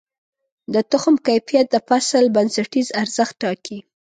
د تخم کیفیت د فصل بنسټیز ارزښت ټاکي.